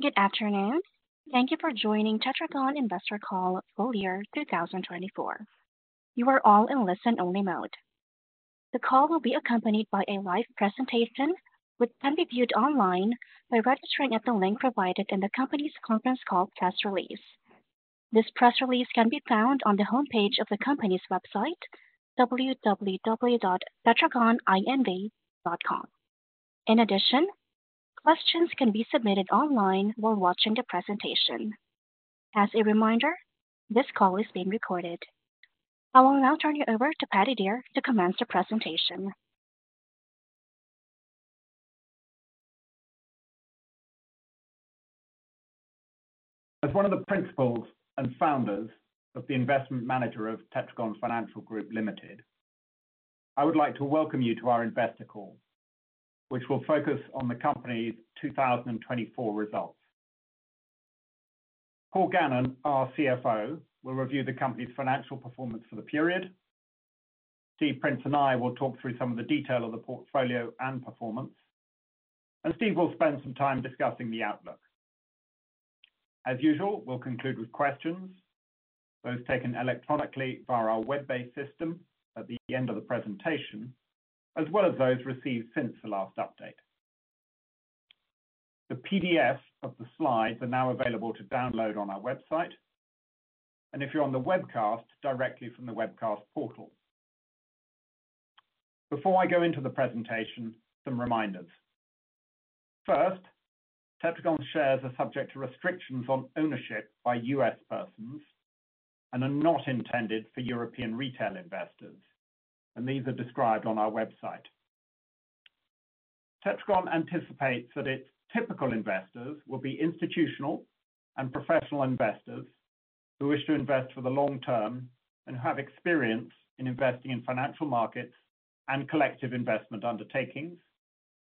Good afternoon. Thank you for joining Tetragon Investor Call Full Year 2024. You are all in listen-only mode. The call will be accompanied by a live presentation, which can be viewed online by registering at the link provided in the company's conference call press release. This press release can be found on the homepage of the company's website, www.tetragoninv.com. In addition, questions can be submitted online while watching the presentation. As a reminder, this call is being recorded. I will now turn you over to Paddy Dear to commence on the presentation. As one of the principals and founders of the investment manager of Tetragon Financial Group Limited, I would like to welcome you to our investor call, which will focus on the company's 2024 results. Paul Gannon, our CFO, will review the company's financial performance for the period. Steve Prince and I will talk through some of the detail of the portfolio and performance, and Steve will spend some time discussing the outlook. As usual, we'll conclude with questions, those taken electronically via our web-based system at the end of the presentation, as well as those received since the last update. The PDFs of the slides are now available to download on our website, and if you're on the webcast, directly from the webcast portal. Before I go into the presentation, some reminders. First, Tetragon shares are subject to restrictions on ownership by U.S. persons and are not intended for European retail investors, and these are described on our website. Tetragon anticipates that its typical investors will be institutional and professional investors who wish to invest for the long-term and who have experience in investing in financial markets and collective investment undertakings,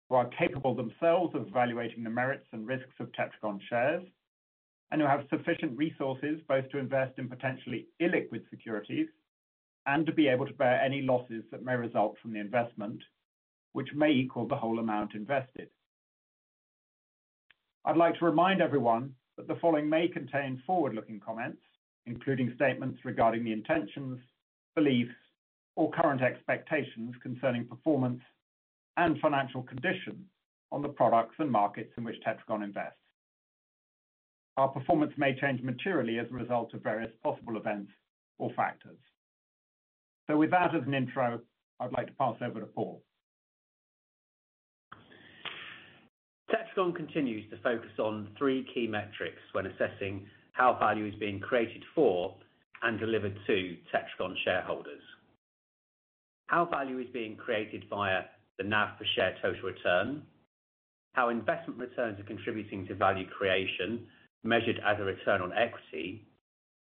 who are capable themselves of evaluating the merits and risks of Tetragon shares, and who have sufficient resources both to invest in potentially illiquid securities and to be able to bear any losses that may result from the investment, which may equal the whole amount invested. I'd like to remind everyone that the following may contain forward-looking comments, including statements regarding the intentions, beliefs, or current expectations concerning performance and financial condition on the products and markets in which Tetragon invests. Our performance may change materially as a result of various possible events or factors. With that as an intro, I'd like to pass over to Paul. Tetragon continues to focus on three key metrics when assessing how value is being created for and delivered to Tetragon shareholders: how value is being created via the NAV per share total return, how investment returns are contributing to value creation measured as a return on equity,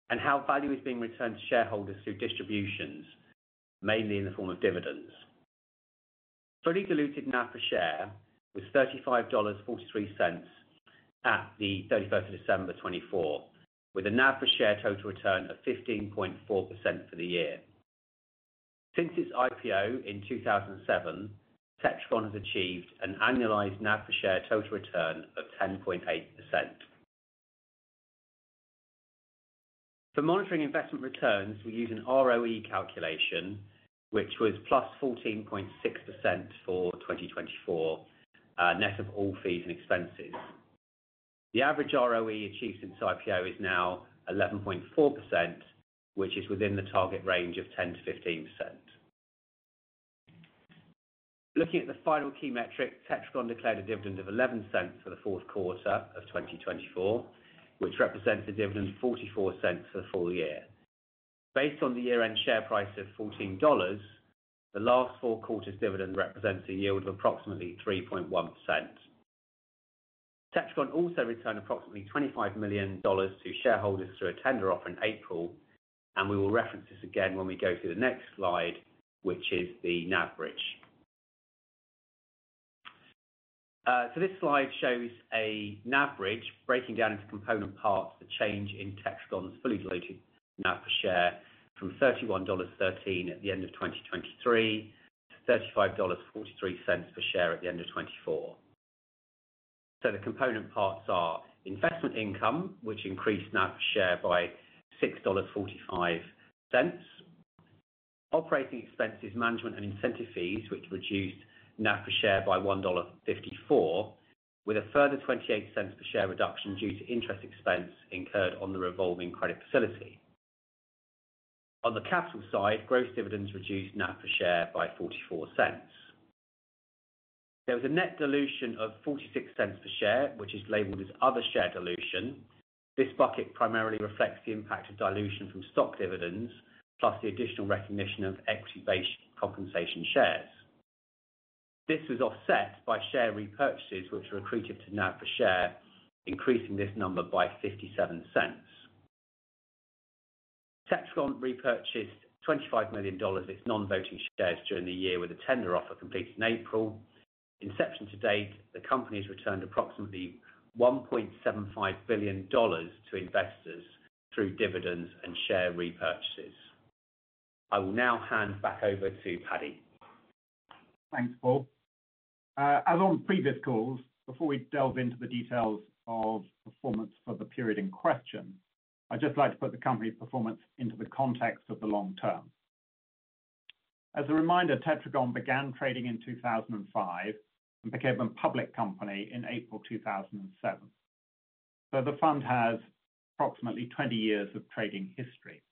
and how value is being returned to shareholders through distributions, mainly in the form of dividends. Fully diluted NAV per share was $35.43 at the 31st of December 2024, with a NAV per share total return of 15.4% for the year. Since its IPO in 2007, Tetragon has achieved an annualized NAV per share total return of 10.8%. For monitoring investment returns, we use an RoE calculation, which was plus 14.6% for 2024, net of all fees and expenses. The average RoE achieved since IPO is now 11.4%, which is within the target range of 10-15%. Looking at the final key metric, Tetragon declared a dividend of $0.11 for the fourth quarter of 2024, which represents a dividend of $0.44 for the full year. Based on the year-end share price of $14, the last four quarters' dividend represents a yield of approximately 3.1%. Tetragon also returned approximately $25 million to shareholders through a tender offer in April, and we will reference this again when we go through the next slide, which is the NAV bridge. This slide shows a NAV bridge breaking down into component parts the change in Tetragon's fully diluted NAV per share from $31.13 at the end of 2023 to $35.43 per share at the end of 2024. The component parts are investment income, which increased NAV per share by $6.45. Operating expenses, management and incentive fees reduced NAV per share by $1.54, with a further $0.28 per share reduction due to interest expense incurred on the revolving credit facility. On the capital side, gross dividends reduced NAV per share by $0.44. There was a net dilution of $0.46 per share, which is labeled as other share dilution. This bucket primarily reflects the impact of dilution from stock dividends, plus the additional recognition of equity-based compensation shares. This was offset by share repurchases, which were accretive to NAV per share, increasing this number by $0.57. Tetragon repurchased $25 million of its non-voting shares during the year with a tender offer completed in April. Inception to date, the company has returned approximately $1.75 billion to investors through dividends and share repurchases. I will now hand back over to Paddy. Thanks, Paul. As on previous calls, before we delve into the details of performance for the period in question, I'd just like to put the company's performance into the context of the long term. As a reminder, Tetragon began trading in 2005 and became a public company in April 2007. The fund has approximately 20 years of trading history.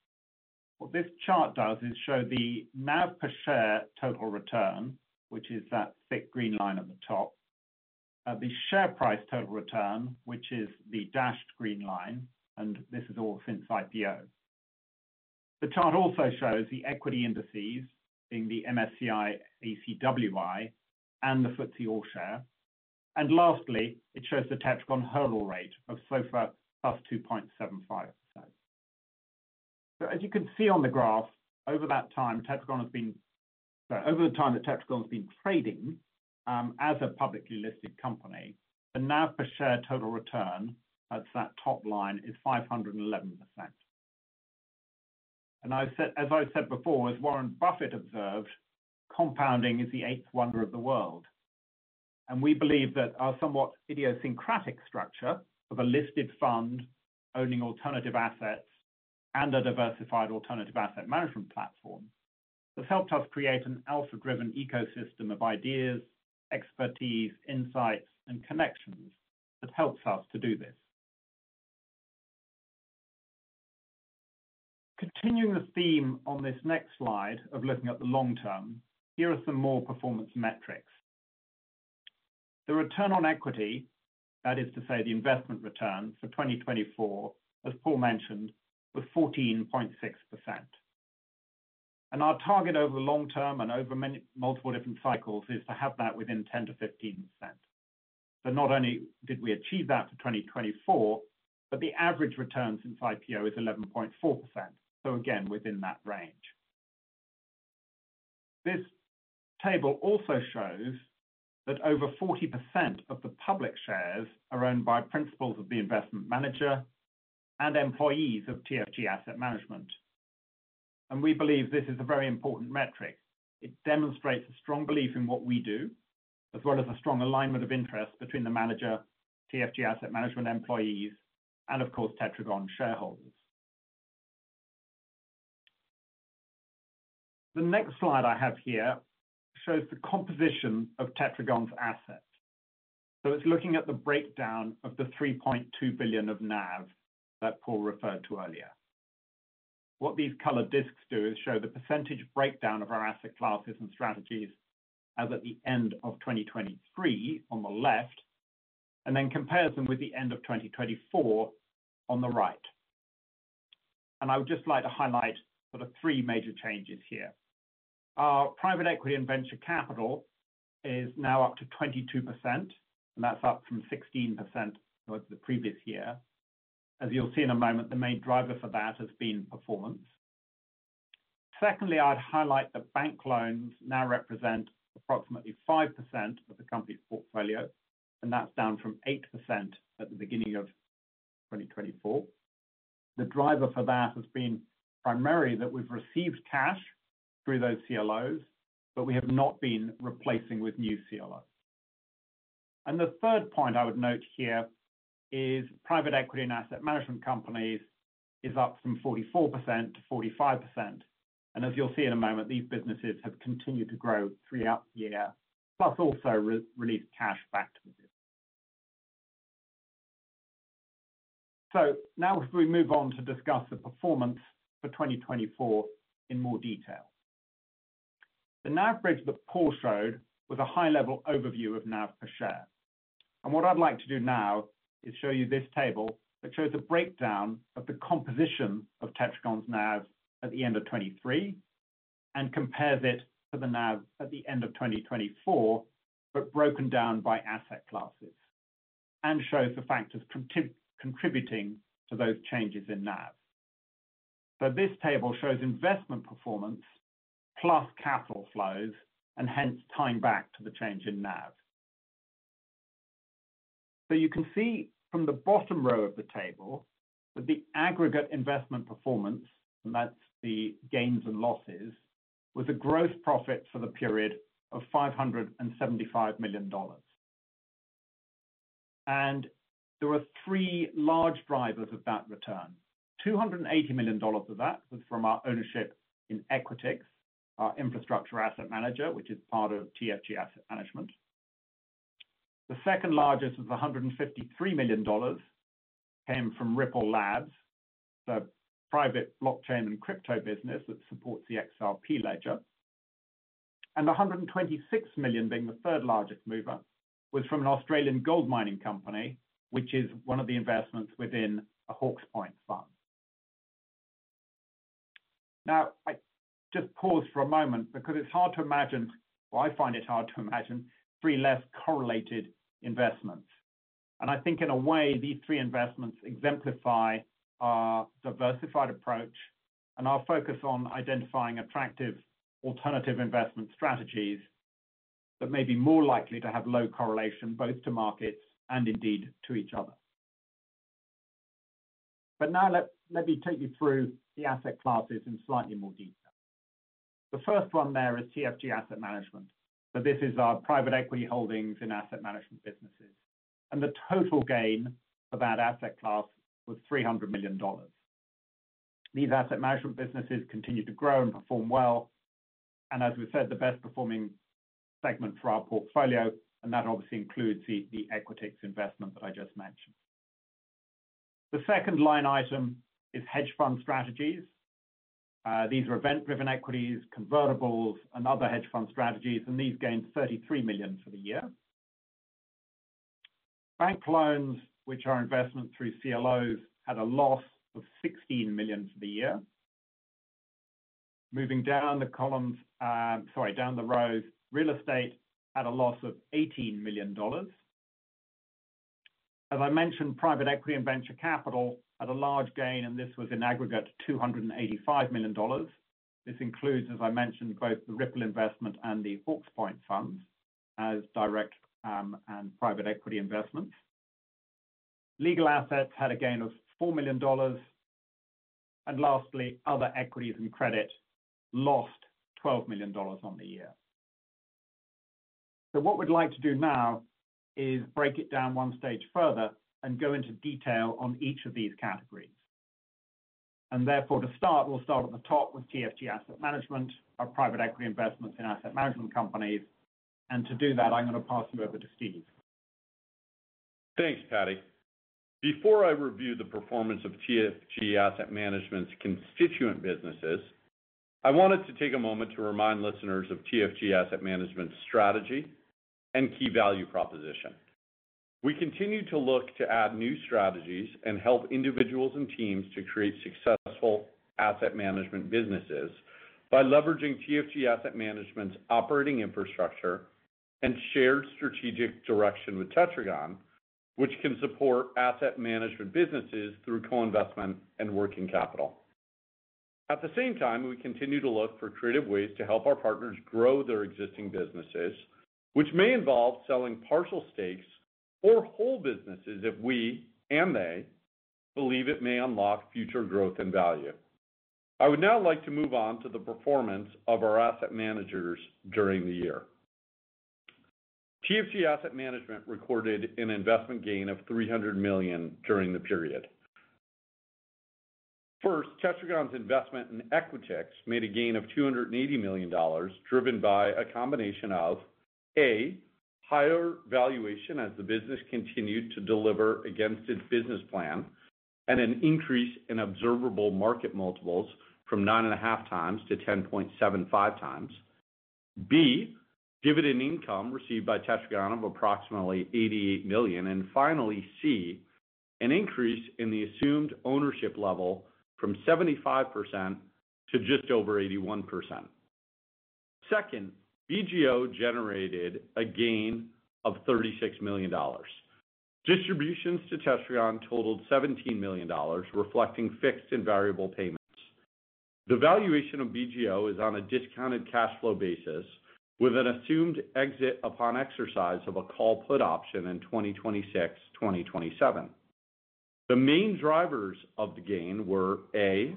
What this chart does is show the NAV per share total return, which is that thick green line at the top, the share price total return, which is the dashed green line, and this is all since IPO. The chart also shows the equity indices, being the MSCI ACWI and the FTSE All-Share. Lastly, it shows the Tetragon hurdle rate of so far plus 2.75%. As you can see on the graph, over that time, Tetragon has been—sorry, over the time that Tetragon has been trading as a publicly listed company, the NAV per share total return, that's that top line, is 511%. As I said before, as Warren Buffett observed, compounding is the eighth wonder of the world. We believe that our somewhat idiosyncratic structure of a listed fund owning alternative assets and a diversified alternative asset management platform has helped us create an alpha-driven ecosystem of ideas, expertise, insights, and connections that helps us to do this. Continuing the theme on this next slide of looking at the long term, here are some more performance metrics. The return on equity, that is to say the investment return for 2024, as Paul mentioned, was 14.6%. Our target over the long term and over multiple different cycles is to have that within 10-15%. Not only did we achieve that for 2024, but the average return since IPO is 11.4%, again, within that range. This table also shows that over 40% of the public shares are owned by principals of the investment manager and employees of TFG Asset Management. We believe this is a very important metric. It demonstrates a strong belief in what we do, as well as a strong alignment of interest between the manager, TFG Asset Management employees, and of course, Tetragon shareholders. The next slide I have here shows the composition of Tetragon's assets. It is looking at the breakdown of the $3.2 billion of NAV that Paul referred to earlier. What these colored disks do is show the percentage breakdown of our asset classes and strategies as at the end of 2023 on the left, and then compares them with the end of 2024 on the right. I would just like to highlight sort of three major changes here. Our private equity and venture capital is now up to 22%, and that's up from 16% of the previous year. As you'll see in a moment, the main driver for that has been performance. Secondly, I'd highlight that bank loans now represent approximately 5% of the company's portfolio, and that's down from 8% at the beginning of 2024. The driver for that has been primarily that we've received cash through those CLOs, but we have not been replacing with new CLOs. The third point I would note here is private equity and asset management companies is up from 44% to 45%. As you'll see in a moment, these businesses have continued to grow throughout the year, plus also released cash back to businesses. Now we move on to discuss the performance for 2024 in more detail. The NAV bridge that Paul showed was a high-level overview of NAV per share. What I'd like to do now is show you this table that shows a breakdown of the composition of Tetragon's NAV at the end of 2023 and compares it to the NAV at the end of 2024, but broken down by asset classes, and shows the factors contributing to those changes in NAV. This table shows investment performance plus capital flows, and hence tying back to the change in NAV. You can see from the bottom row of the table that the aggregate investment performance, and that's the gains and losses, was a gross profit for the period of $575 million. There were three large drivers of that return. $280 million of that was from our ownership in Equitix, our infrastructure asset manager, which is part of TFG Asset Management. The second largest was $153 million, came from Ripple Labs, the private blockchain and crypto business that supports the XRP Ledger. The $126 million, being the third largest mover, was from an Australian gold mining company, which is one of the investments within a Hawke's Point fund. Now, I just paused for a moment because it's hard to imagine, or I find it hard to imagine, three less correlated investments. I think in a way, these three investments exemplify our diversified approach and our focus on identifying attractive alternative investment strategies that may be more likely to have low correlation both to markets and indeed to each other. Let me take you through the asset classes in slightly more detail. The first one there is TFG Asset Management. This is our private equity holdings in asset management businesses. The total gain of that asset class was $300 million. These asset management businesses continue to grow and perform well. As we said, the best performing segment for our portfolio, and that obviously includes the Equitix investment that I just mentioned. The second line item is hedge fund strategies. These are event-driven equities, convertibles, and other hedge fund strategies, and these gained $33 million for the year. Bank loans, which are investments through CLOs, had a loss of $16 million for the year. Moving down the rows, real estate had a loss of $18 million. As I mentioned, private equity and venture capital had a large gain, and this was an aggregate of $285 million. This includes, as I mentioned, both the Ripple investment and the Hawke's Point funds as direct and private equity investments. Legal assets had a gain of $4 million. Lastly, other equities and credit lost $12 million on the year. What we'd like to do now is break it down one stage further and go into detail on each of these categories. Therefore, to start, we'll start at the top with TFG Asset Management, our private equity investments in asset management companies. To do that, I'm going to pass you over to Steve. Thanks, Paddy. Before I review the performance of TFG Asset Management's constituent businesses, I wanted to take a moment to remind listeners of TFG Asset Management's strategy and key value proposition. We continue to look to add new strategies and help individuals and teams to create successful asset management businesses by leveraging TFG Asset Management's operating infrastructure and shared strategic direction with Tetragon, which can support asset management businesses through co-investment and working capital. At the same time, we continue to look for creative ways to help our partners grow their existing businesses, which may involve selling partial stakes or whole businesses if we and they believe it may unlock future growth and value. I would now like to move on to the performance of our asset managers during the year. TFG Asset Management recorded an investment gain of $300 million during the period. First, Tetragon's investment in Equitix made a gain of $280 million, driven by a combination of: A, higher valuation as the business continues to deliver against its business plan, and an increase in observable market multiples from 9.5 times to 10.75 times; B, dividend income received by Tetragon of approximately $88 million; and finally, C, an increase in the assumed ownership level from 75% to just over 81%. Second, BGO generated a gain of $36 million. Distributions to Tetragon totaled $17 million, reflecting fixed and variable payments. The valuation of BGO is on a discounted cash flow basis, with an assumed exit upon exercise of a call put option in 2026-2027. The main drivers of the gain were: A,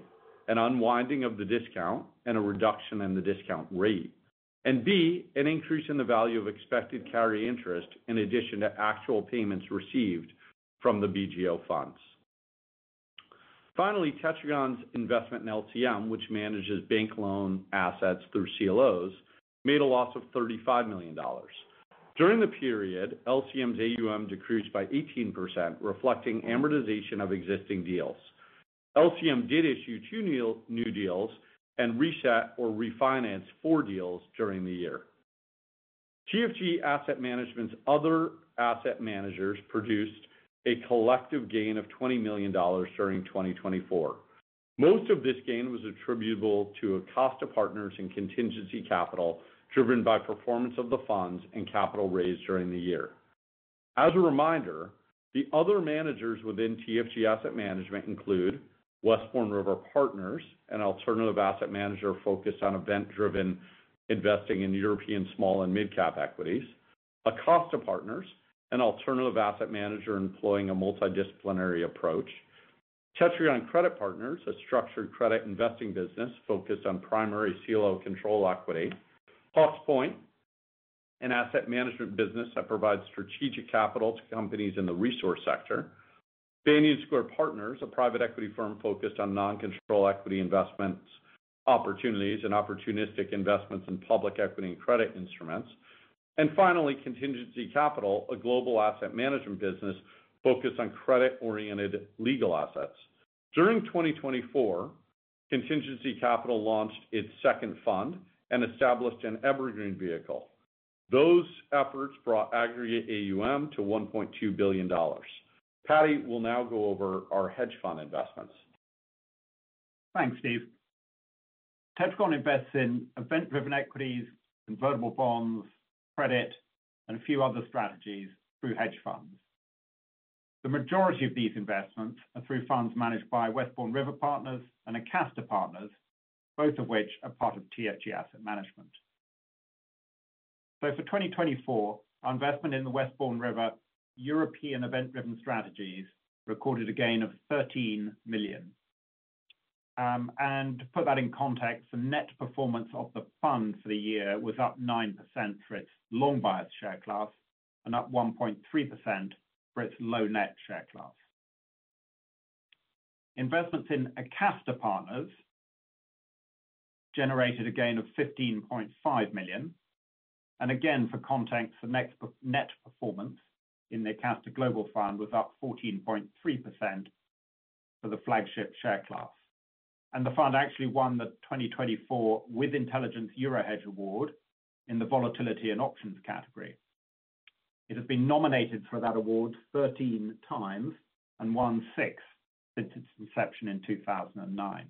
an unwinding of the discount and a reduction in the discount rate; and B, an increase in the value of expected carry interest in addition to actual payments received from the BGO funds. Finally, Tetragon's investment in LCM, which manages bank loan assets through CLOs, made a loss of $35 million. During the period, LCM's AUM decreased by 18%, reflecting amortization of existing deals. LCM did issue two new deals and reset or refinanced four deals during the year. TFG Asset Management's other asset managers produced a collective gain of $20 million during 2024. Most of this gain was attributable to Acosta Partners and Contingency Capital driven by performance of the funds and capital raised during the year. As a reminder, the other managers within TFG Asset Management include Westbourne River Partners, an alternative asset manager focused on event-driven investing in European small and mid-cap equities, Acosta Partners, an alternative asset manager employing a multidisciplinary approach, Tetragon Credit Partners, a structured credit investing business focused on primary CLO control equity, Hawke's Point, an asset management business that provides strategic capital to companies in the resource sector, Banyan Square Partners, a private equity firm focused on non-control equity investment opportunities and opportunistic investments in public equity and credit instruments, and finally, Contingency Capital, a global asset management business focused on credit-oriented legal assets. During 2024, Contingency Capital launched its second fund and established an evergreen vehicle. Those efforts brought aggregate AUM to $1.2 billion. Paddy will now go over our hedge fund investments. Thanks, Steve. Tetragon invests in event-driven equities, convertible bonds, credit, and a few other strategies through hedge funds. The majority of these investments are through funds managed by Westbourne River Partners and Acosta Partners, both of which are part of TFG Asset Management. For 2024, our investment in the Westbourne River European event-driven strategies recorded a gain of $13 million. To put that in context, the net performance of the fund for the year was up 9% for its long bias share class and up 1.3% for its low net share class. Investments in Acosta Partners generated a gain of $15.5 million. For context, the net performance in the Acosta Global Fund was up 14.3% for the flagship share class. The fund actually won the 2024 with Intelligence EuroHedge Award in the Volatility and Options category. It has been nominated for that award 13 times and won six since its inception in 2009.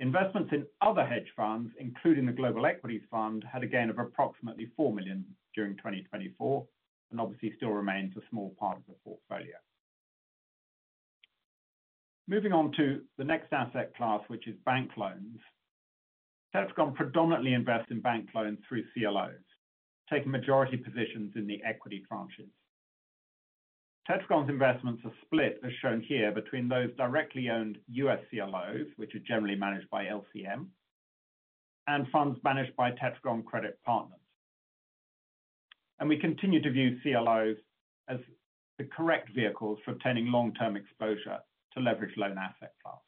Investments in other hedge funds, including the Global Equities Fund, had a gain of approximately $4 million during 2024 and obviously still remains a small part of the portfolio. Moving on to the next asset class, which is bank loans, Tetragon predominantly invests in bank loans through CLOs, taking majority positions in the equity tranches. Tetragon's investments are split, as shown here, between those directly owned U.S. CLOs, which are generally managed by LCM, and funds managed by Tetragon Credit Partners. We continue to view CLOs as the correct vehicles for obtaining long-term exposure to leverage loan asset class.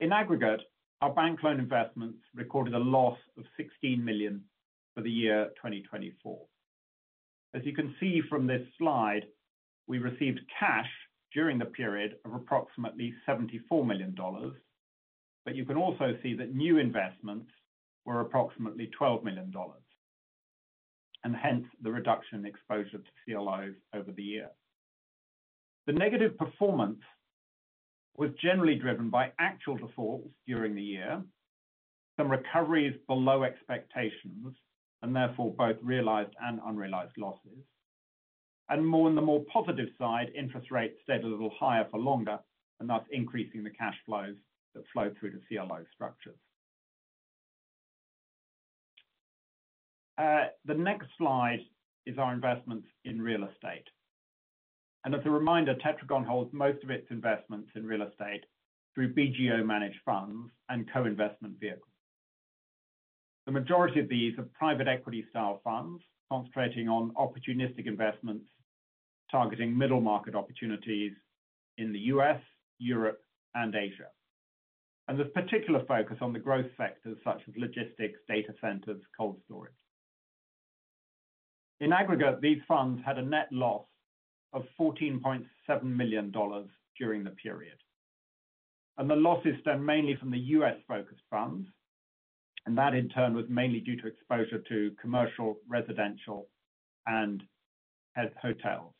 In aggregate, our bank loan investments recorded a loss of $16 million for the year 2024. As you can see from this slide, we received cash during the period of approximately $74 million, but you can also see that new investments were approximately $12 million, and hence the reduction in exposure to CLOs over the year. The negative performance was generally driven by actual defaults during the year, some recoveries below expectations, and therefore both realized and unrealized losses. On the more positive side, interest rates stayed a little higher for longer, thus increasing the cash flows that flowed through the CLO structures. The next slide is our investments in real estate. As a reminder, Tetragon holds most of its investments in real estate through BGO-managed funds and co-investment vehicles. The majority of these are private equity-style funds concentrating on opportunistic investments targeting middle market opportunities in the U.S., Europe, and Asia. There is particular focus on the growth sectors such as logistics, data centers, cold storage. In aggregate, these funds had a net loss of $14.7 million during the period. The losses stemmed mainly from the U.S.-focused funds, and that in turn was mainly due to exposure to commercial, residential, and hotels.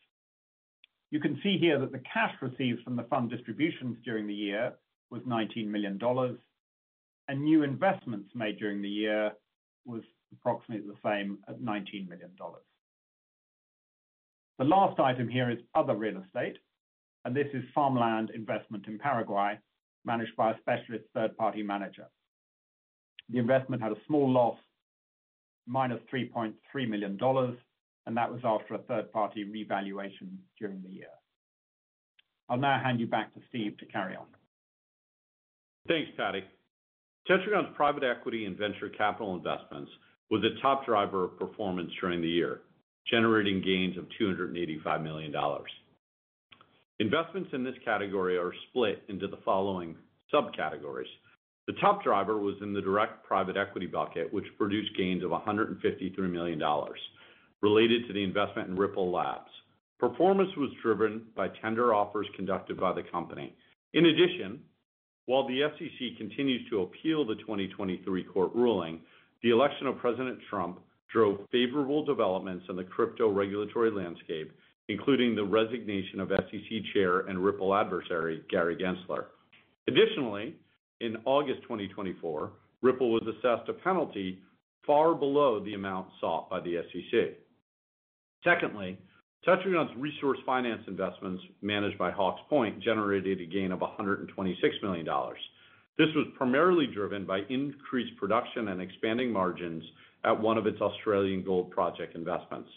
You can see here that the cash received from the fund distributions during the year was $19 million, and new investments made during the year was approximately the same at $19 million. The last item here is other real estate, and this is farmland investment in Paraguay managed by a specialist third-party manager. The investment had a small loss, minus $3.3 million, and that was after a third-party revaluation during the year. I'll now hand you back to Steve to carry on. Thanks, Paddy. Tetragon's private equity and venture capital investments were the top driver of performance during the year, generating gains of $285 million. Investments in this category are split into the following subcategories. The top driver was in the direct private equity bucket, which produced gains of $153 million, related to the investment in Ripple Labs. Performance was driven by tender offers conducted by the company. In addition, while the SEC continues to appeal the 2023 court ruling, the election of President Trump drove favorable developments in the crypto regulatory landscape, including the resignation of SEC Chair and Ripple adversary Gary Gensler. Additionally, in August 2024, Ripple was assessed a penalty far below the amount sought by the SEC. Secondly, Tetragon's resource finance investments managed by Hawke's Point generated a gain of $126 million. This was primarily driven by increased production and expanding margins at one of its Australian gold project investments.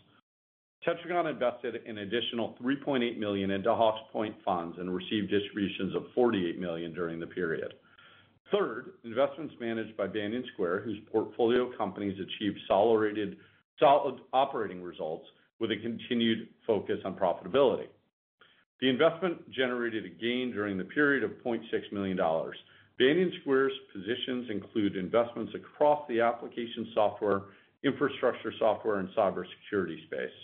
Tetragon invested an additional $3.8 million into Hawke's Point funds and received distributions of $48 million during the period. Third, investments managed by Banyan Square, whose portfolio companies achieved solid operating results with a continued focus on profitability. The investment generated a gain during the period of $0.6 million. Banyan Square's positions include investments across the application software, infrastructure software, and cybersecurity space.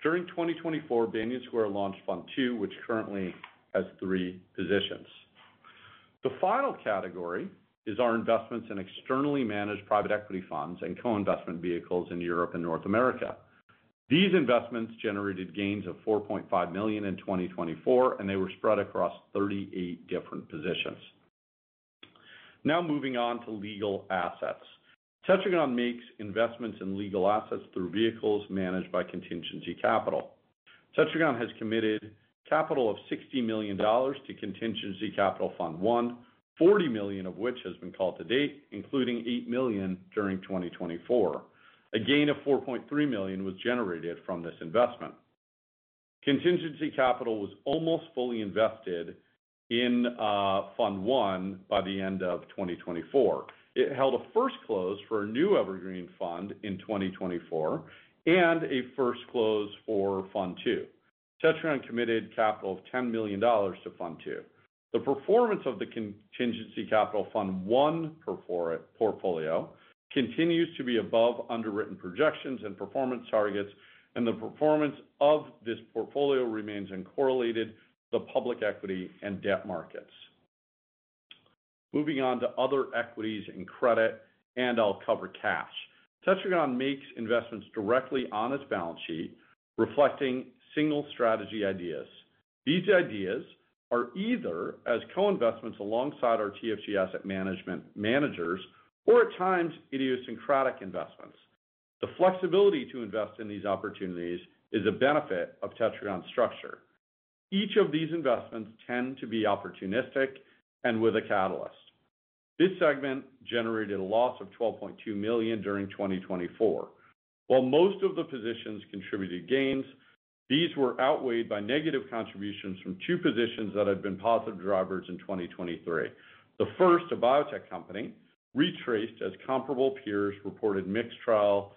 During 2024, Banyan Square launched Fund II, which currently has three positions. The final category is our investments in externally managed private equity funds and co-investment vehicles in Europe and North America. These investments generated gains of $4.5 million in 2024, and they were spread across 38 different positions. Now moving on to legal assets. Tetragon makes investments in legal assets through vehicles managed by Contingency Capital. Tetragon has committed capital of $60 million to Contingency Capital Fund I, $40 million of which has been called to date, including $8 million during 2024. A gain of $4.3 million was generated from this investment. Contingency Capital was almost fully invested in Fund I by the end of 2024. It held a first close for a new evergreen fund in 2024 and a first close for Fund II. Tetragon committed capital of $10 million to Fund II. The performance of the Contingency Capital Fund I portfolio continues to be above underwritten projections and performance targets, and the performance of this portfolio remains uncorrelated to the public equity and debt markets. Moving on to other equities and credit, and I'll cover cash. Tetragon makes investments directly on its balance sheet, reflecting single strategy ideas. These ideas are either as co-investments alongside our TFG Asset Management managers or at times idiosyncratic investments. The flexibility to invest in these opportunities is a benefit of Tetragon's structure. Each of these investments tends to be opportunistic and with a catalyst. This segment generated a loss of $12.2 million during 2024. While most of the positions contributed gains, these were outweighed by negative contributions from two positions that had been positive drivers in 2023. The first, a biotech company, retraced as comparable peers reported mixed trial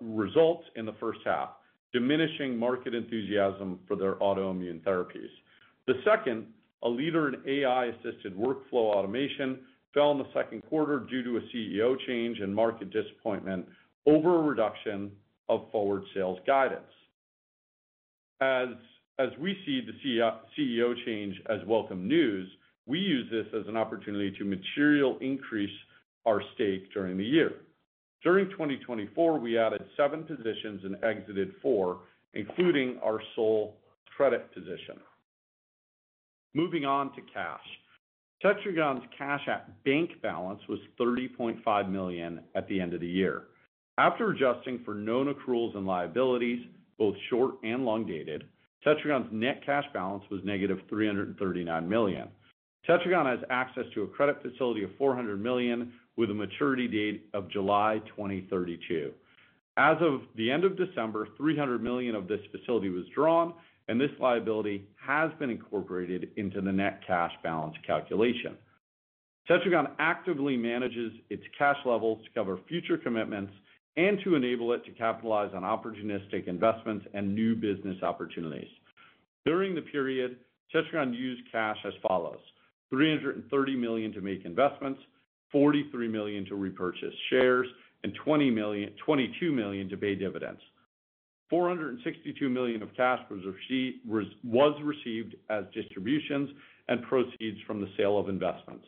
results in the first half, diminishing market enthusiasm for their autoimmune therapies. The second, a leader in AI-assisted workflow automation, fell in the second quarter due to a CEO change and market disappointment over a reduction of forward sales guidance. As we see the CEO change as welcome news, we use this as an opportunity to materially increase our stake during the year. During 2024, we added seven positions and exited four, including our sole credit position. Moving on to cash. Tetragon's cash at bank balance was $30.5 million at the end of the year. After adjusting for known accruals and liabilities, both short and long-dated, Tetragon's net cash balance was negative $339 million. Tetragon has access to a credit facility of $400 million with a maturity date of July 2032. As of the end of December, $300 million of this facility was drawn, and this liability has been incorporated into the net cash balance calculation. Tetragon actively manages its cash levels to cover future commitments and to enable it to capitalize on opportunistic investments and new business opportunities. During the period, Tetragon used cash as follows: $330 million to make investments, $43 million to repurchase shares, and $22 million to pay dividends. $462 million of cash was received as distributions and proceeds from the sale of investments.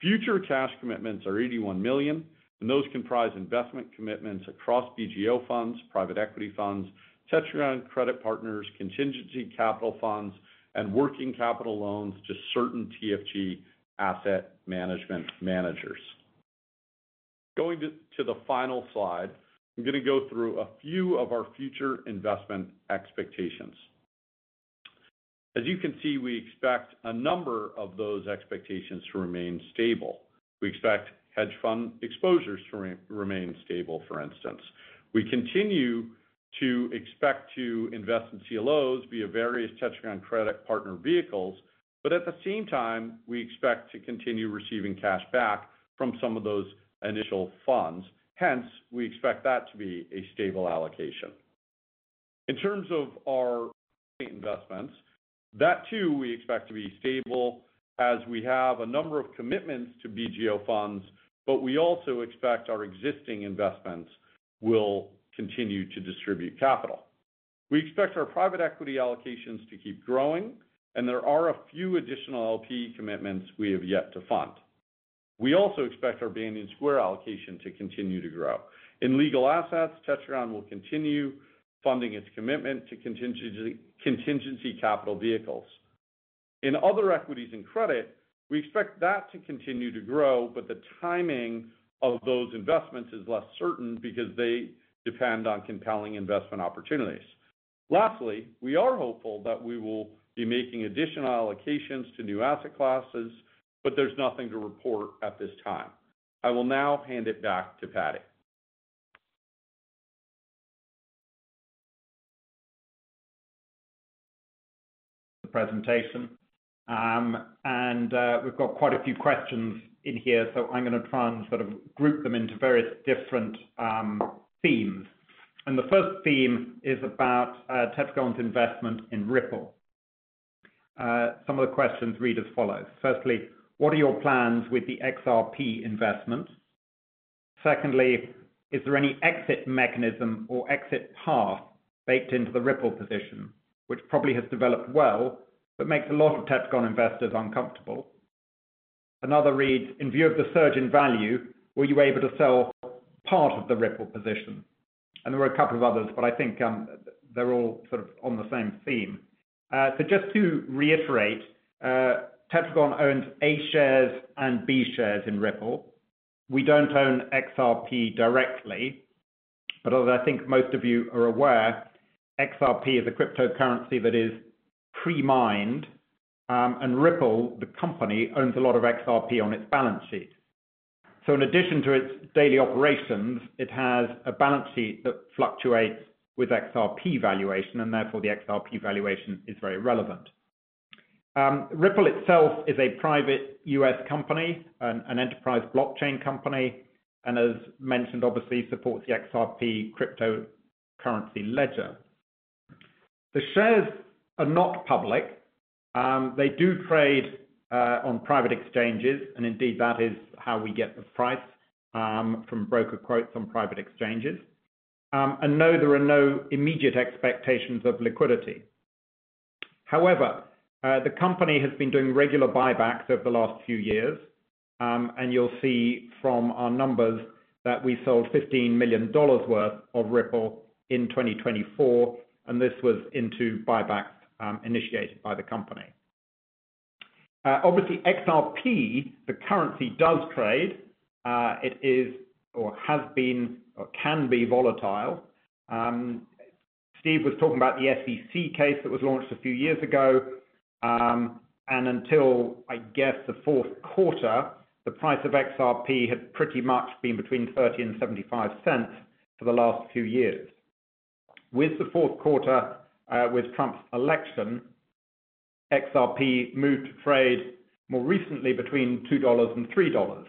Future cash commitments are $81 million, and those comprise investment commitments across BGO funds, private equity funds, Tetragon Credit Partners, Contingency Capital Funds, and working capital loans to certain TFG Asset Management managers. Going to the final slide, I'm going to go through a few of our future investment expectations. As you can see, we expect a number of those expectations to remain stable. We expect hedge fund exposures to remain stable, for instance. We continue to expect to invest in CLOs via various Tetragon Credit Partners vehicles, but at the same time, we expect to continue receiving cash back from some of those initial funds. Hence, we expect that to be a stable allocation. In terms of our investments, that too we expect to be stable as we have a number of commitments to BGO funds, but we also expect our existing investments will continue to distribute capital. We expect our private equity allocations to keep growing, and there are a few additional LP commitments we have yet to fund. We also expect our Banyan Square allocation to continue to grow. In legal assets, Tetragon will continue funding its commitment to Contingency Capital vehicles. In other equities and credit, we expect that to continue to grow, but the timing of those investments is less certain because they depend on compelling investment opportunities. Lastly, we are hopeful that we will be making additional allocations to new asset classes, but there's nothing to report at this time. I will now hand it back to Paddy. The presentation. We've got quite a few questions in here, so I'm going to try and sort of group them into various different themes. The first theme is about Tetragon's investment in Ripple. Some of the questions read as follows. Firstly, what are your plans with the XRP investment? Secondly, is there any exit mechanism or exit path baked into the Ripple position, which probably has developed well but makes a lot of Tetragon investors uncomfortable? Another reads, in view of the surge in value, were you able to sell part of the Ripple position? There were a couple of others, but I think they're all sort of on the same theme. Just to reiterate, Tetragon owns A shares and B shares in Ripple. We don't own XRP directly, but as I think most of you are aware, XRP is a cryptocurrency that is pre-mined, and Ripple, the company, owns a lot of XRP on its balance sheet. In addition to its daily operations, it has a balance sheet that fluctuates with XRP valuation, and therefore the XRP valuation is very relevant. Ripple itself is a private U.S. company, an enterprise blockchain company, and as mentioned, obviously supports the XRP cryptocurrency ledger. The shares are not public. They do trade on private exchanges, and indeed that is how we get the price from broker quotes on private exchanges. No, there are no immediate expectations of liquidity. However, the company has been doing regular buybacks over the last few years, and you'll see from our numbers that we sold $15 million worth of Ripple in 2024, and this was into buybacks initiated by the company. Obviously, XRP, the currency, does trade. It is, or has been, or can be volatile. Steve was talking about the SEC case that was launched a few years ago, and until, I guess, the fourth quarter, the price of XRP had pretty much been between $0.30 and $0.75 for the last few years. With the fourth quarter, with Trump's election, XRP moved to trade more recently between $2 and $3.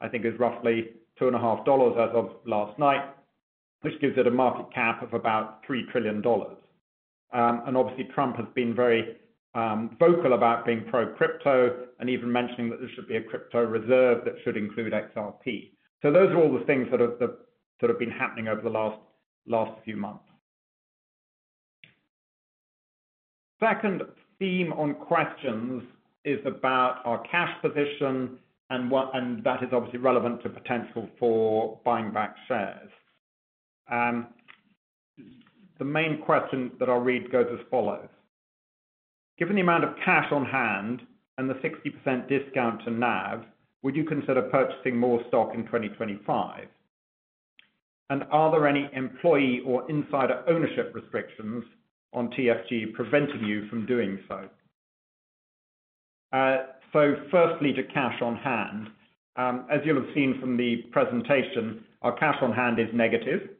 I think it was roughly $2.50 as of last night, which gives it a market cap of about $3 trillion. Obviously, Trump has been very vocal about being pro-crypto and even mentioning that there should be a crypto reserve that should include XRP. Those are all the things that have been happening over the last few months. The second theme on questions is about our cash position, and that is obviously relevant to potential for buying back shares. The main question that I'll read goes as follows. Given the amount of cash on hand and the 60% discount to NAV, would you consider purchasing more stock in 2025? And are there any employee or insider ownership restrictions on TFG preventing you from doing so? Firstly, to cash on hand. As you'll have seen from the presentation, our cash on hand is negative.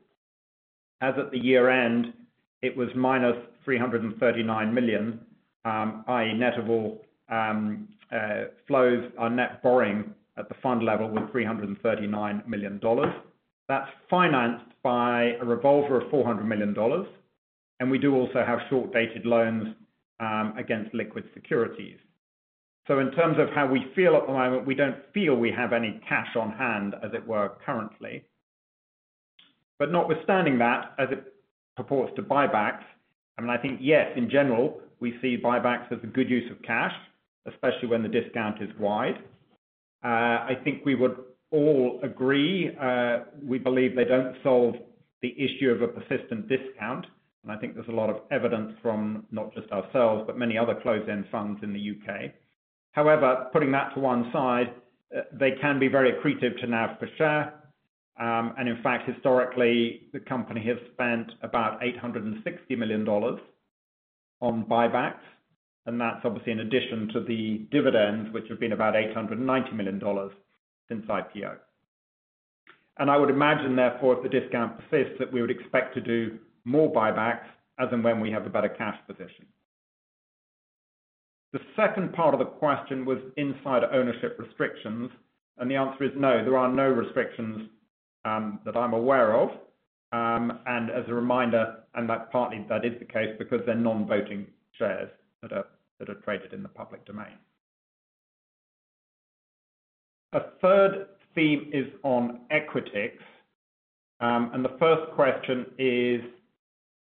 As at the year end, it was minus $339 million, i.e., net of all flows, our net borrowing at the fund level was $339 million. That's financed by a revolver of $400 million, and we do also have short-dated loans against liquid securities. In terms of how we feel at the moment, we don't feel we have any cash on hand, as it were, currently. Notwithstanding that, as it purports to buybacks, I mean, I think, yeah, in general, we see buybacks as a good use of cash, especially when the discount is wide. I think we would all agree. We believe they don't solve the issue of a persistent discount, and I think there's a lot of evidence from not just ourselves, but many other closed-end funds in the U.K. However, putting that to one side, they can be very accretive to NAV per share. In fact, historically, the company has spent about $860 million on buybacks, and that's obviously in addition to the dividends, which have been about $890 million since IPO. I would imagine, therefore, if the discount persists, that we would expect to do more buybacks as and when we have a better cash position. The second part of the question was insider ownership restrictions, and the answer is no. There are no restrictions that I'm aware of. As a reminder, and that partly is the case because they're non-voting shares that are traded in the public domain. A third theme is on equities, and the first question is,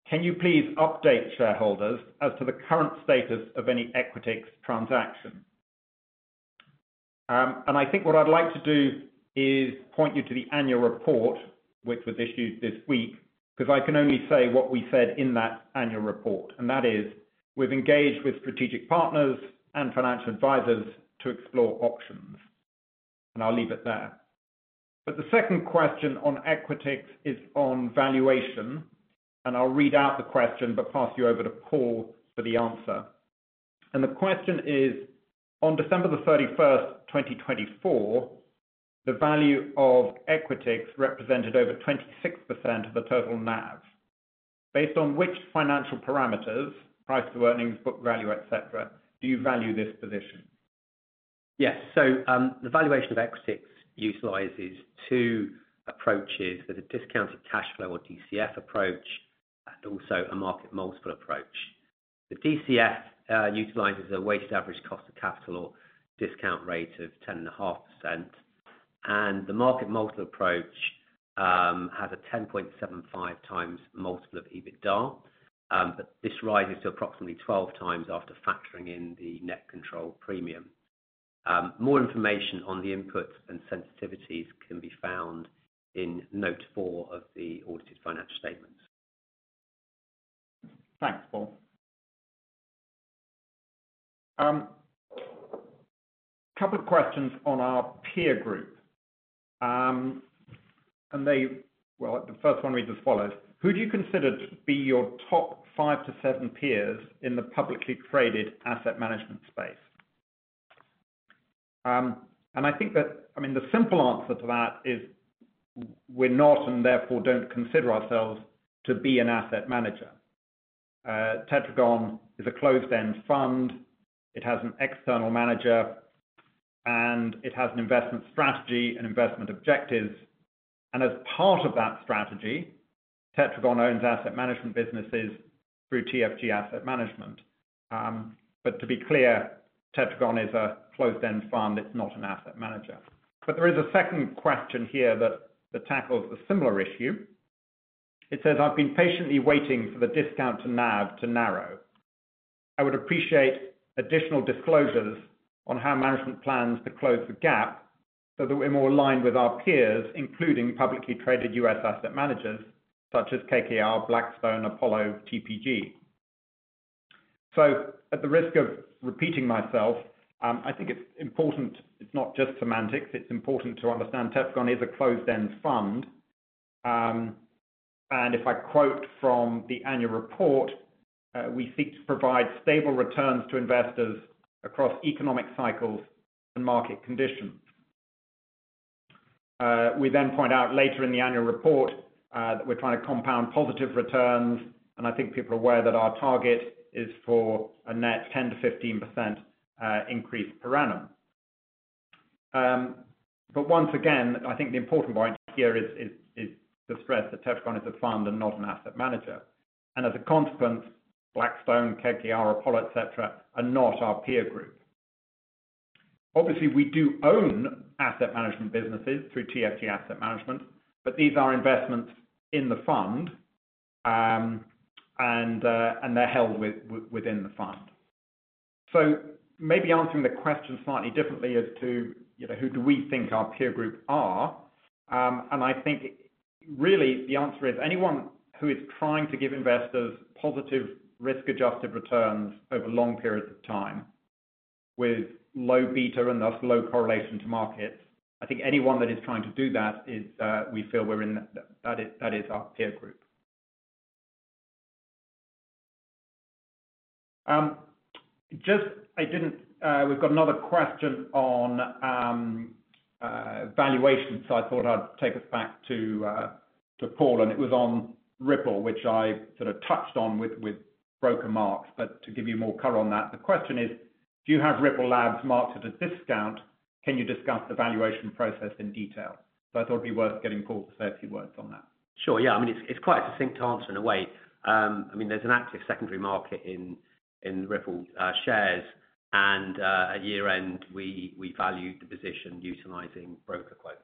can you please update shareholders as to the current status of any equities transaction? I think what I'd like to do is point you to the annual report, which was issued this week, because I can only say what we said in that annual report, and that is, we've engaged with strategic partners and financial advisors to explore options. I'll leave it there. The second question on equities is on valuation, and I'll read out the question but pass you over to Paul for the answer. The question is, on December 31, 2024, the value of equities represented over 26% of the total NAV. Based on which financial parameters, price to earnings, book value, etc., do you value this position? Yes. The valuation of equities utilizes two approaches. There is a discounted cash flow or DCF approach, and also a market multiple approach. The DCF utilizes a weighted average cost of capital or discount rate of 10.5%, and the market multiple approach has a 10.75 times multiple of EBITDA, but this rises to approximately 12 times after factoring in the net control premium. More information on the inputs and sensitivities can be found in Note 4 of the audited financial statements. Thanks, Paul. A couple of questions on our peer group. The first one reads as follows. Who do you consider to be your top five to seven peers in the publicly traded asset management space? I think that, I mean, the simple answer to that is we're not and therefore don't consider ourselves to be an asset manager. Tetragon is a closed-end fund. It has an external manager, and it has an investment strategy and investment objectives. As part of that strategy, Tetragon owns asset management businesses through TFG Asset Management. To be clear, Tetragon is a closed-end fund. It's not an asset manager. There is a second question here that tackles a similar issue. It says, I've been patiently waiting for the discount to NAV to narrow. I would appreciate additional disclosures on how management plans to close the gap so that we're more aligned with our peers, including publicly traded U.S. asset managers such as KKR, Blackstone, Apollo, TPG. At the risk of repeating myself, I think it's important. It's not just semantics. It's important to understand Tetragon is a closed-end fund. If I quote from the annual report, we seek to provide stable returns to investors across economic cycles and market conditions. We then point out later in the annual report that we're trying to compound positive returns, and I think people are aware that our target is for a net 10-15% increase per annum. Once again, I think the important point here is to stress that Tetragon is a fund and not an asset manager. As a consequence, Blackstone, KKR, Apollo, etc., are not our peer group. Obviously, we do own asset management businesses through TFG Asset Management, but these are investments in the fund, and they're held within the fund. Maybe answering the question slightly differently as to who do we think our peer group are. I think really the answer is anyone who is trying to give investors positive risk-adjusted returns over long periods of time with low beta and thus low correlation to markets, I think anyone that is trying to do that, we feel that is our peer group. I didn't, we've got another question on valuation, so I thought I'd take us back to Paul, and it was on Ripple, which I sort of touched on with broker marks, but to give you more color on that, the question is, if you have Ripple Labs marketed at discount, can you discuss the valuation process in detail? I thought it'd be worth getting Paul to say a few words on that. Sure. Yeah. I mean, it's quite a succinct answer in a way. I mean, there's an active secondary market in Ripple shares, and at year-end, we value the position utilizing broker quotes.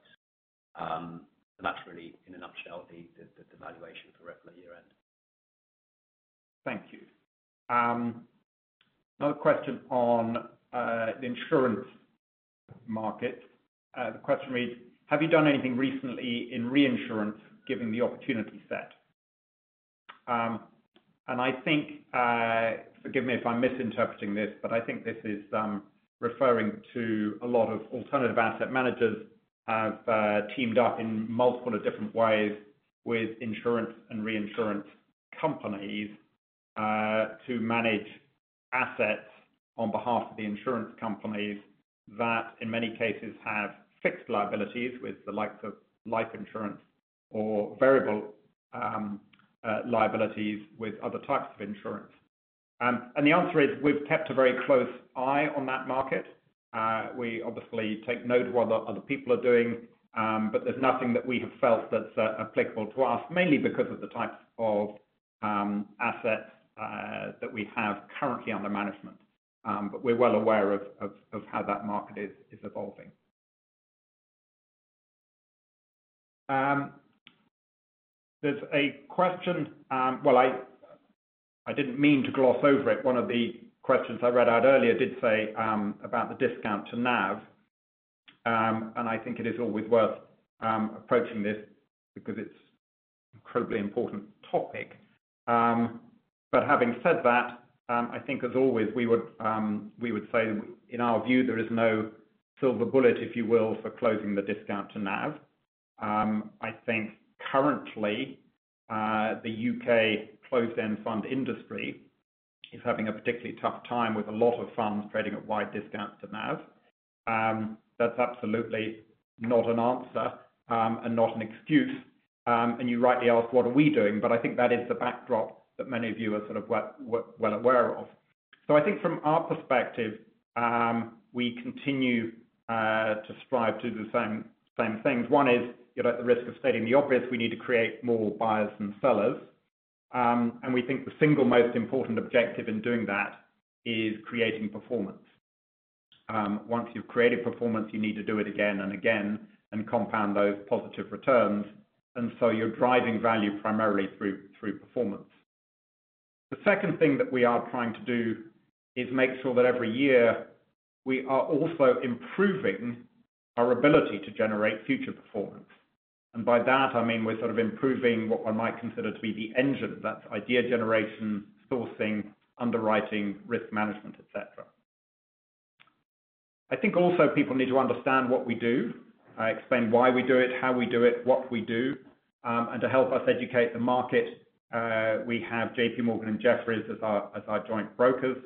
That's really, in a nutshell, the valuation for Ripple at year-end. Thank you. Another question on the insurance market. The question reads, have you done anything recently in reinsurance given the opportunity set? I think, forgive me if I'm misinterpreting this, but I think this is referring to a lot of alternative asset managers have teamed up in multiple different ways with insurance and reinsurance companies to manage assets on behalf of the insurance companies that in many cases have fixed liabilities with the likes of life insurance or variable liabilities with other types of insurance. The answer is we've kept a very close eye on that market. We obviously take note of what other people are doing, but there's nothing that we have felt that's applicable to us, mainly because of the types of assets that we have currently under management. We're well aware of how that market is evolving. There is a question, I did not mean to gloss over it. One of the questions I read out earlier did say about the discount to NAV, and I think it is always worth approaching this because it is an incredibly important topic. Having said that, I think as always, we would say in our view, there is no silver bullet, if you will, for closing the discount to NAV. I think currently the U.K. closed-end fund industry is having a particularly tough time with a lot of funds trading at wide discounts to NAV. That is absolutely not an answer and not an excuse. You rightly asked, what are we doing? I think that is the backdrop that many of you are sort of well aware of. I think from our perspective, we continue to strive to do the same things. One is you're, at the risk of stating the obvious, we need to create more buyers and sellers. We think the single most important objective in doing that is creating performance. Once you've created performance, you need to do it again and again and compound those positive returns. You're driving value primarily through performance. The second thing that we are trying to do is make sure that every year we are also improving our ability to generate future performance. By that, I mean we're sort of improving what I might consider to be the engine. That's idea generation, sourcing, underwriting, risk management, etc. I think also people need to understand what we do, explain why we do it, how we do it, what we do. To help us educate the market, we have JP Morgan and Jefferies as our joint brokers.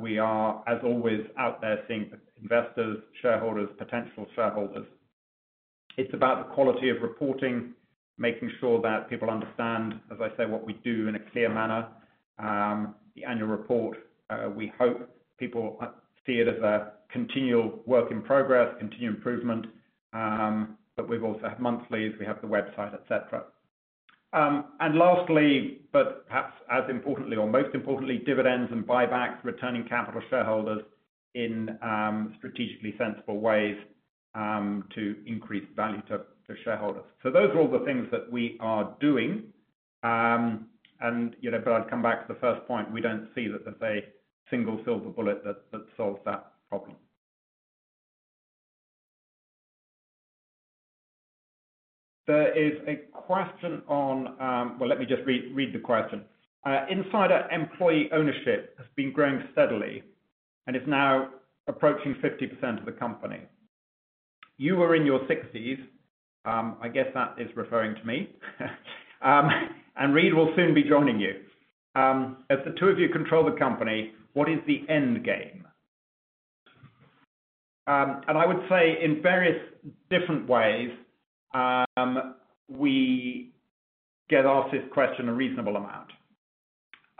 We are, as always, out there seeing investors, shareholders, potential shareholders. It's about the quality of reporting, making sure that people understand, as I say, what we do in a clear manner. The annual report, we hope people see it as a continual work in progress, continual improvement. We have also had monthlies. We have the website, etc. Lastly, but perhaps as importantly or most importantly, dividends and buybacks, returning capital to shareholders in strategically sensible ways to increase value to shareholders. Those are all the things that we are doing. I'd come back to the first point. We don't see that there's a single silver bullet that solves that problem. There is a question on, let me just read the question. Insider employee ownership has been growing steadily and is now approaching 50% of the company. You were in your 60s. I guess that is referring to me. Reid will soon be joining you. As the two of you control the company, what is the end game? I would say in various different ways, we get asked this question a reasonable amount.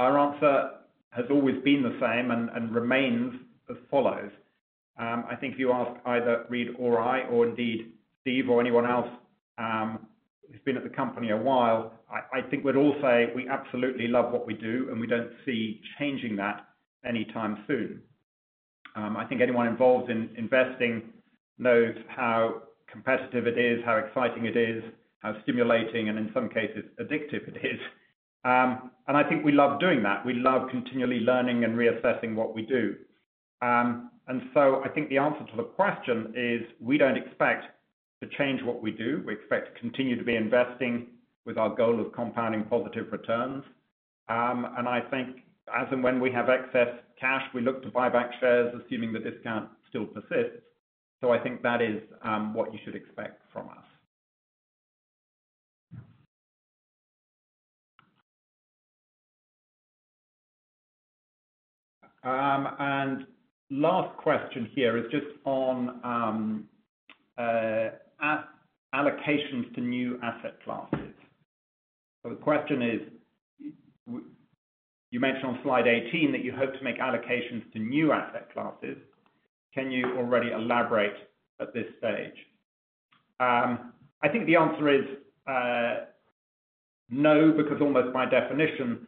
Our answer has always been the same and remains as follows. I think if you ask either Reid or I, or indeed Steve or anyone else who's been at the company a while, I think we'd all say we absolutely love what we do, and we don't see changing that anytime soon. I think anyone involved in investing knows how competitive it is, how exciting it is, how stimulating, and in some cases, addictive it is. I think we love doing that. We love continually learning and reassessing what we do. I think the answer to the question is we do not expect to change what we do. We expect to continue to be investing with our goal of compounding positive returns. I think as and when we have excess cash, we look to buy back shares, assuming the discount still persists. That is what you should expect from us. The last question here is just on allocations to new asset classes. The question is, you mentioned on slide 18 that you hope to make allocations to new asset classes. Can you already elaborate at this stage? I think the answer is no, because almost by definition,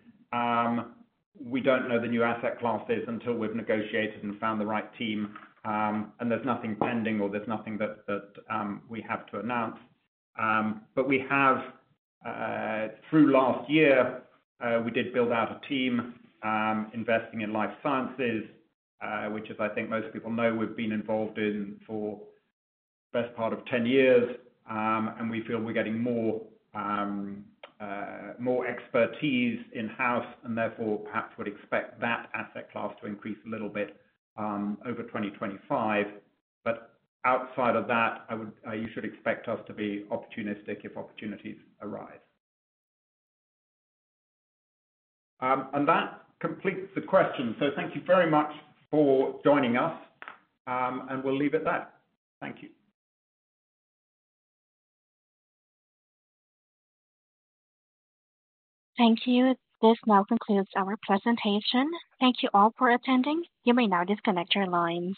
we do not know the new asset classes until we have negotiated and found the right team. There is nothing pending or there is nothing that we have to announce. We have, through last year, we did build out a team investing in life sciences, which is, I think most people know we've been involved in for the best part of 10 years. We feel we're getting more expertise in-house and therefore perhaps would expect that asset class to increase a little bit over 2025. Outside of that, you should expect us to be opportunistic if opportunities arise. That completes the question. Thank you very much for joining us, and we'll leave it there. Thank you. Thank you. This now concludes our presentation. Thank you all for attending. You may now disconnect your lines.